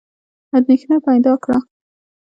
اندېښنه پیدا کړه.